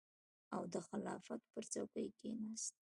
او د خلافت پر څوکۍ کېناست.